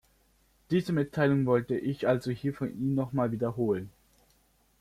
Diese Mitteilungen wollte ich also hier vor Ihnen nochmals wiederholen.